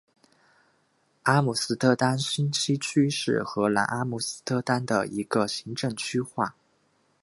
阿姆斯特丹新西区是荷兰阿姆斯特丹的一个行政区划。